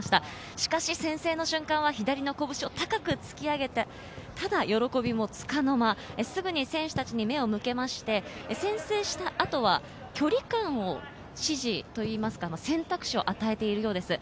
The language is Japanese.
しかし先制の瞬間は左の拳を高く突き上げて、ただ喜びもつかの間、すぐに選手たちに目を向けまして、先制した後は距離感を指示といいますか、選択肢を与えているようです。